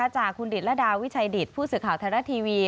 จากคุณดิตระดาวิชัยดิตผู้สื่อข่าวไทยรัฐทีวี